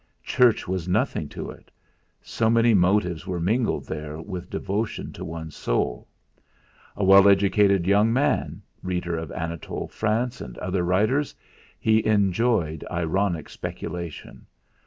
Church was nothing to it so many motives were mingled there with devotion to one's soul. A well educated young man reader of Anatole France, and other writers he enjoyed ironic speculation.